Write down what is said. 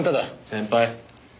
先輩。